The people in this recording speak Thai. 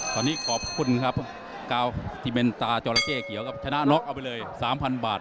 ตอนนี้ขอบคุณครับพวกกาวที่เป็นตาจอราเข้เขียวครับชนะน็อกเอาไปเลย๓๐๐บาท